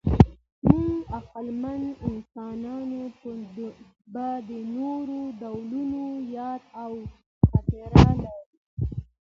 موږ عقلمن انسانان به د نورو ډولونو یاد او خاطره لرو.